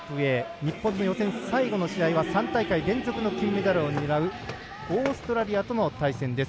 日本の予選最後の試合は３大会連続の金メダルを狙うオーストラリアとの対戦です。